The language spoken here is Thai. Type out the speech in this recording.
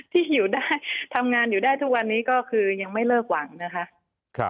ที่อยู่ได้ทำงานอยู่ได้ทุกวันนี้ก็คือยังไม่เลิกหวังนะคะ